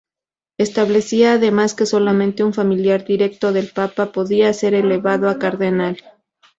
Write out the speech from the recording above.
Establecía además que solamente un familiar directo del papa podía ser elevado a cardenal.